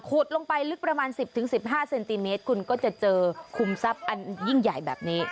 ลงไปลึกประมาณ๑๐๑๕เซนติเมตรคุณก็จะเจอคุมทรัพย์อันยิ่งใหญ่แบบนี้